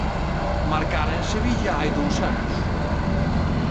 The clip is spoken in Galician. Marcara en Sevilla hai dous anos.